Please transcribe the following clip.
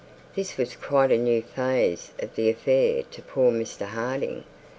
This was quite a new phase of the affair to poor Mr Harding.